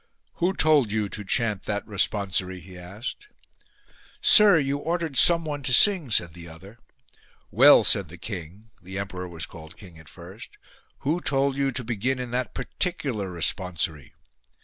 " Who told you to chant that responsory ?" he asked. Sire, you ordered someone to sing," said the other. "Well," said the king (the emperor was called king at first), " who told you to begin in that particular responsory